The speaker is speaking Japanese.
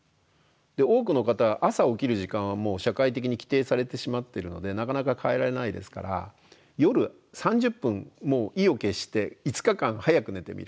多くの方は朝起きる時間はもう社会的に規定されてしまってるのでなかなか変えられないですから夜３０分もう意を決して５日間早く寝てみる。